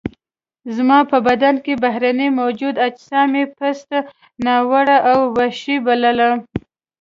زما په بدن کې بهرني موجود اجسام یې پست، ناوړه او وحشي وبلل.